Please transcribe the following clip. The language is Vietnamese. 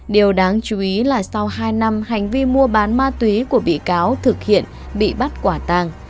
điều đáng chú ý là sau hai năm hành vi mua bán ma túy của bị cáo thực hiện bị bắt quả tàng